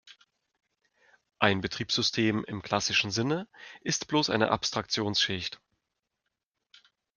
Ein Betriebssystem im klassischen Sinne ist bloß eine Abstraktionsschicht.